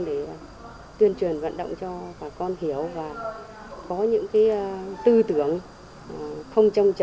để tuyên truyền vận động cho bà con hiểu và có những tư tưởng không trông chờ